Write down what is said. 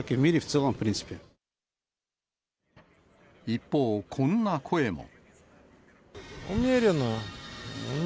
一方、こんな声も。